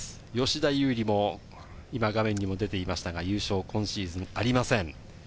吉田優利も、今、画面にも出ていましたが、優勝、今シーズンはありません。